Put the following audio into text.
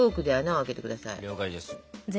了解です。